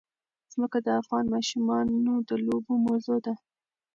ځمکه د افغان ماشومانو د لوبو موضوع ده.